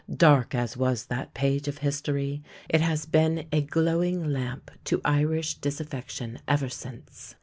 Dark as was that page of history, it has been a glowing lamp to Irish disaffection ever since.